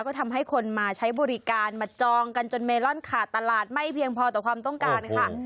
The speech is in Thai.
ก็ทำให้คนมาใช้บริการมาจองกันจนเมลอนขาดตลาดไม่เพียงพอต่อความต้องการค่ะ